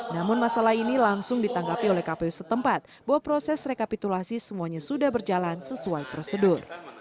namun masalah ini langsung ditanggapi oleh kpu setempat bahwa proses rekapitulasi semuanya sudah berjalan sesuai prosedur